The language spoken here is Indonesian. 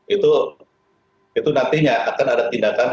itu nantinya akan ada tindakan